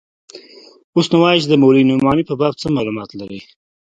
اوس نو وايه چې د مولوي نعماني په باب څه مالومات لرې.